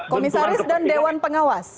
komisaris dan dewan pengawas